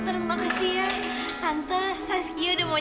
terima kasih atas si gaby